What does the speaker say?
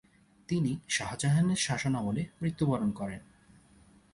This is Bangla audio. তিনি শাহজাহানের শাসনামলে মৃত্যুবরণ করেন।